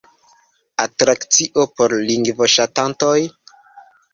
Atrakcio por lingvoŝatantoj?